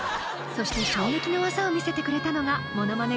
そして衝撃の技を見せてくれたのがモノマネ